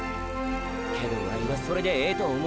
けどワイはそれでええと思うとる！！